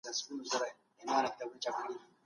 هر ټولنپوه په خپله تخصصي ساحه کې کار کوي.